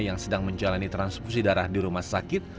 yang sedang menjalani transfusi darah di rumah sakit